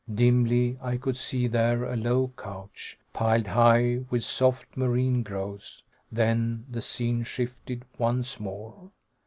Dimly, I could see there a low couch, piled high with soft marine growths. Then the scene shifted once more.